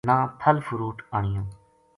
نہ پھل فروٹ آنیوں